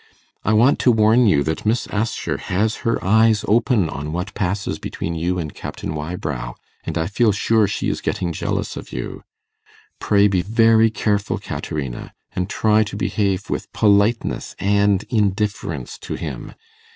I want to warn you that Miss Assher has her eyes open on what passes between you and Captain Wybrow, and I feel sure she is getting jealous of you. Pray be very careful, Caterina, and try to behave with politeness and indifference to him.